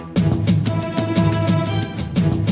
ได้ครับ